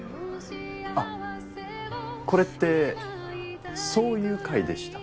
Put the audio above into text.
あっこれってそういう会でした？